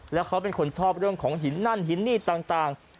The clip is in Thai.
แล้วเขาเป็นคนชอบเรื่องของหินนั่นหินนี่ต่าง